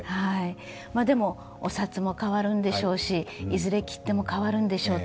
でも、お札も変わるんでしょうし、いずれ切手も変わるんでしょう。